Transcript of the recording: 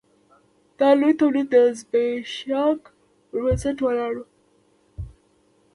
دا لوی تولید د ځبېښاک پر بنسټ ولاړ و.